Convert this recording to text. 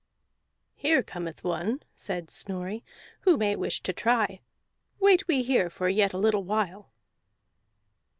"Here cometh one," said Snorri, "who may wish to try; wait we here for yet a little while."